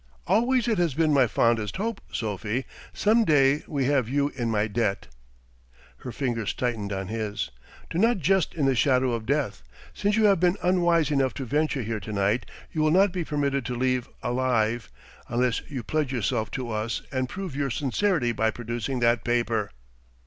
"Always it has been my fondest hope, Sophie, some day to have you in my debt." Her fingers tightened on his. "Do not jest in the shadow of death. Since you have been unwise enough to venture here to night, you will not be permitted to leave alive unless you pledge yourself to us and prove your sincerity by producing that paper."